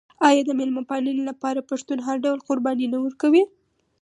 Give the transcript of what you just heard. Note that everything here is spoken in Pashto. آیا د میلمه پالنې لپاره پښتون هر ډول قرباني نه ورکوي؟